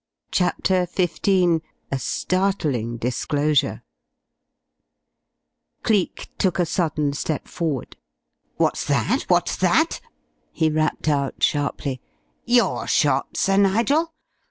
CHAPTER XV A STARTLING DISCLOSURE Cleek took a sudden step forward. "What's that? What's that?" he rapped out, sharply. "Your shot, Sir Nigel?